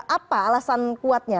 apa alasan kuatnya